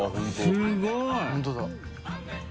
すごい！